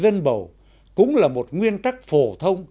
các ứng cử viên tổng thống cũng là một nguyên tắc phổ thông